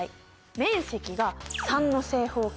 面積が３の正方形。